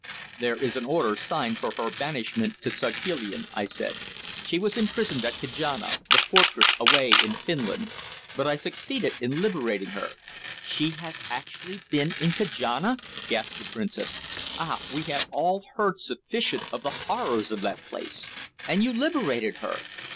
"There is an order signed for her banishment to Saghalein," I said. "She was imprisoned at Kajana, the fortress away in Finland, but I succeeded in liberating her." "She has actually been in Kajana!" gasped the Princess. "Ah! we have all heard sufficient of the horrors of that place. And you liberated her!